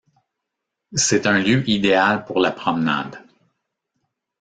C'est un lieu idéal pour la promenade.